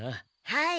はい。